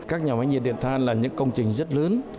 các nhà máy nhiệt điện than là những công trình rất lớn